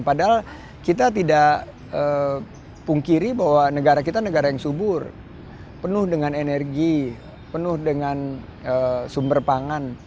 padahal kita tidak pungkiri bahwa negara kita negara yang subur penuh dengan energi penuh dengan sumber pangan